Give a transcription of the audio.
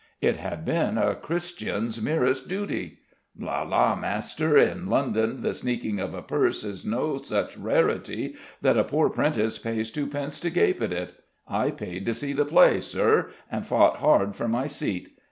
"It had been a Christian's merest duty." "La, la, master! In London the sneaking of a purse is no such rarity that a poor 'prentice pays twopence to gape at it. I paid to see the play, Sir, and fought hard for my seat.